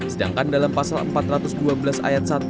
sedangkan dalam pasal empat ratus dua belas ayat satu